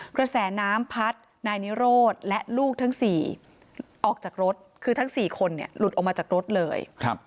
กระแสน้ำพัดนายนิโรธและลูกทั้ง๔ออกจากรถคือทั้ง๔คนหลุดออกมาจากรถเลย